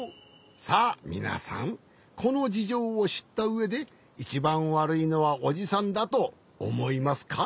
さあみなさんこのじじょうをしったうえでいちばんわるいのはおじさんだとおもいますか？